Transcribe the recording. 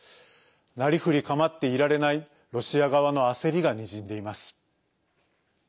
なりふり構っていられないロシア側の焦りがにじんでいます。